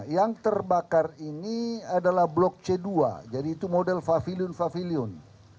yang terbakar ini adalah blok c dua jadi itu model favilion favilion